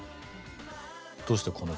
どうしてこの曲。